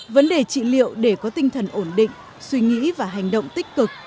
vấn đề trị liệu để có tinh thần ổn định suy nghĩ và hành động tích cực